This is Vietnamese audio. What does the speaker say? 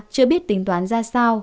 chưa biết tính toán ra sao